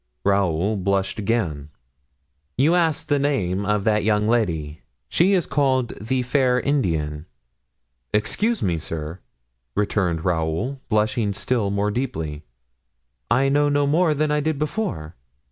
Raoul blushed again. "You asked the name of that young lady. She is called the fair Indian." "Excuse me, sir," returned Raoul, blushing still more deeply, "I know no more than I did before.